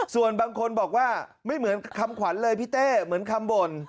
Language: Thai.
ส่วนบางคนบอกว่าไม่เหมือนคำขวัญเลยพี่เต้เหมือนคำบ่น